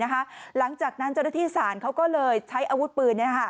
หลังจากนั้นเจ้าหน้าที่ศาลเขาก็เลยใช้อาวุธปืน